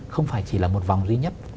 không phải chỉ là một vòng duy nhất